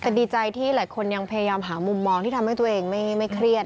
แต่ดีใจที่หลายคนยังพยายามหามุมมองที่ทำให้ตัวเองไม่เครียด